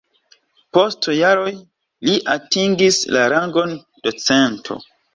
Post jaroj li atingis la rangon docento.